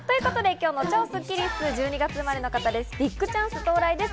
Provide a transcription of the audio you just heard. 今日の超スッキりす、１２月生まれの方です。